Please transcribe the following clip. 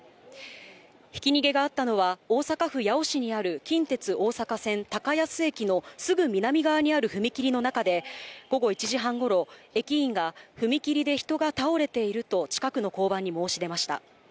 ひき逃げがあったのは、大阪府八尾市にある近鉄大阪線高安駅のすぐ南側にある踏切の中で、午後１時半ごろ、駅員が踏切で人が倒れていると、近くの交番に申し出ました。